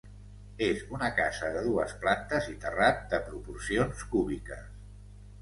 És una casa de dues plantes i terrat, de proporcions cúbiques.